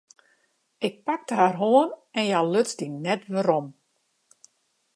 Ik pakte har hân en hja luts dy net werom.